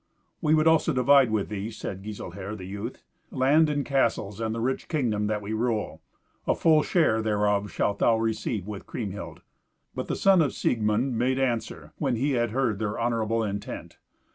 "We would also divide with thee," said Giselher the youth, "land and castles, and the rich kingdom that we rule. A full share thereof shalt thou receive with Kriemhild." But the son of Siegmund made answer, when he had heard their honourable intent.